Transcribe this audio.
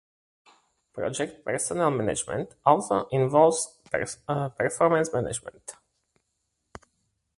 Project personnel management also involves performance management.